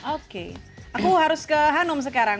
oke aku harus ke hanum sekarang